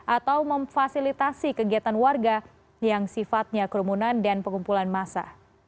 atau memfasilitasi kegiatan warga yang sifatnya kerumunan dan pengumpulan massa